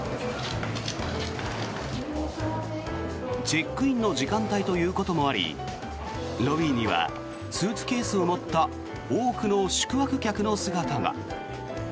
チェックインの時間帯ということもありロビーにはスーツケースを持った多くの宿泊客の姿が。